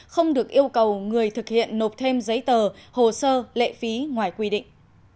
không được yêu cầu người thực hiện nộp thêm giấy tờ hồ sơ lệ phí ngoài quy định